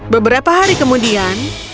beberapa hari kemudian